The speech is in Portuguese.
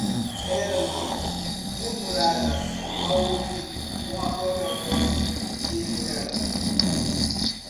Eram-lhe murmuradas ao ouvido, com a própria voz de Vilela.